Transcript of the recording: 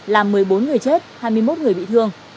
làm một mươi bốn người chết hai mươi một người bị thương